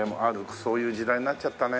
そういう時代になっちゃったね。